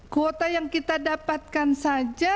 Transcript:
kuota yang kita dapatkan saja